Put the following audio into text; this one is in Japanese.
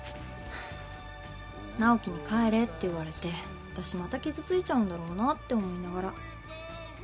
直季に「帰れ」って言われてあたしまた傷ついちゃうんだろうなって思いながら。